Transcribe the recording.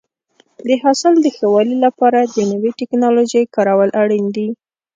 د حاصل د ښه والي لپاره د نوې ټکنالوژۍ کارول اړین دي.